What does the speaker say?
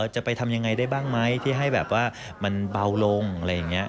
จะไปทำยังไงได้บ้างไหมที่ให้แบบว่ามันเบาลงอะไรอย่างนี้